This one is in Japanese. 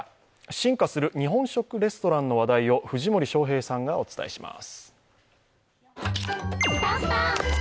進化する日本食レストランの話題を藤森祥平さんがお伝えします。